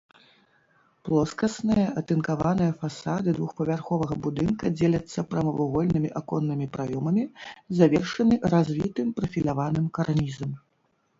Плоскасныя атынкаваныя фасады двухпавярховага будынка дзеляцца прамавугольнымі аконнымі праёмамі, завершаны развітым прафіляваным карнізам.